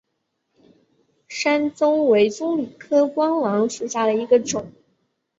山棕为棕榈科桄榔属下的一个种。